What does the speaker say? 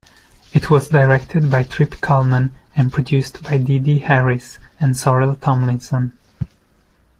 It was directed by Trip Cullman and produced by DeDe Harris and Sorrel Tomlinson.